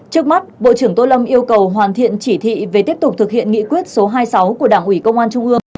trước mắt bộ trưởng tô lâm yêu cầu hoàn thiện chỉ thị về tiếp tục thực hiện nghị quyết số hai mươi sáu của đảng ủy công an trung ương